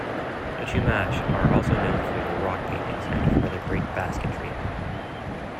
The Chumash are also known for their rock paintings and for their great basketry.